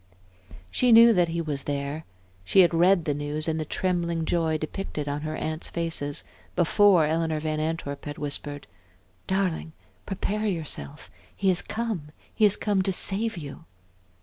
She knew that he was there. She had read the news in the trembling joy depicted on her aunts' faces, before Eleanor Van Antwerp had whispered: "Darling, prepare yourself! He has come he has come to save you."